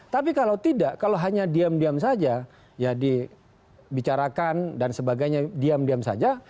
tapi kalau tidak kalau hanya diam diam saja ya dibicarakan dan sebagainya diam diam saja